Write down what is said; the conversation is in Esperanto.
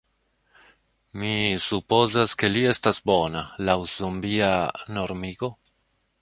Mi supozas ke li estas bona, laŭ zombia... normigo?